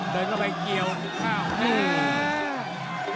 เดินเข้าไปเกี่ยวข้าว